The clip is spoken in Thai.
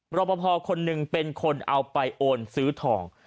รอปภคนหนึ่งเป็นคนเอาไปโอนซื้อทอง